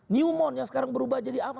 newmont yang sekarang berubah jadi apa